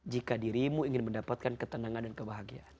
jika dirimu ingin mendapatkan ketenangan dan kebahagiaan